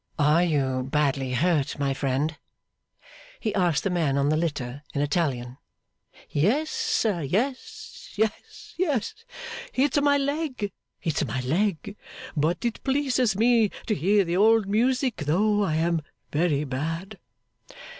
'Are you badly hurt, my friend?' he asked the man on the litter, in Italian. 'Yes, sir; yes, yes, yes. It's my leg, it's my leg. But it pleases me to hear the old music, though I am very bad.